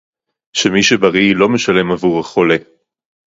שמי שבריא לא משלם עבור החולה